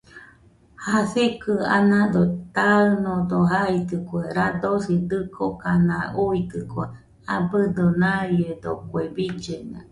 Jasikɨ anado taɨnodo jaitɨkue , radosi dɨkokana uuitɨkue abɨdo naiedo kue billena